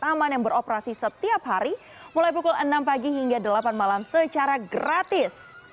taman yang beroperasi setiap hari mulai pukul enam pagi hingga delapan malam secara gratis